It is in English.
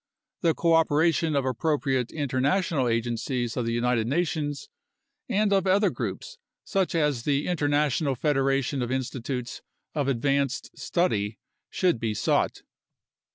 The coopera tion of appropriate international agencies of the United Nations and of other groups such as the International Federation of Institutes of Ad vanced Study should be sought.